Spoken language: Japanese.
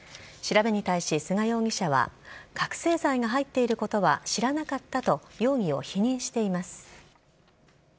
調べに対し菅容疑者は覚醒剤が入っていることは知らなかったと容疑を否認しています。